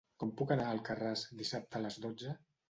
Com puc anar a Alcarràs dissabte a les dotze?